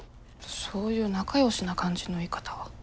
そういう仲よしな感じの言い方は。